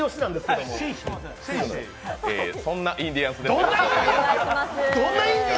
どんなインディアンス！？